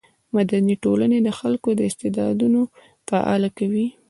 مدني ټولنې د خلکو استعدادونه فعاله کوي.